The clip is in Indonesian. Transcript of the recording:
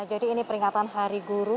jadi ini peringatan hari guru